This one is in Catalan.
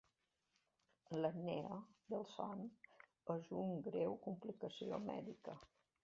L'apnea del son és una greu complicació mèdica.